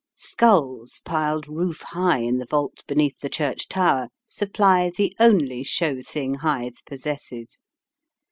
Skulls piled roof high in the vault beneath the church tower supply the only show thing Hythe possesses.